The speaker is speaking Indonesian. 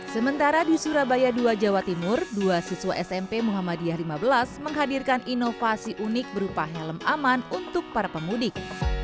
sementara di surabaya ii jawa timur dua siswa smp muhammadiyah lima belas menghadirkan inovasi unik berupa helm aman untuk para pemudik